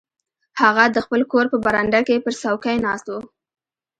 هغه د خپل کور په برنډه کې پر څوکۍ ناست و.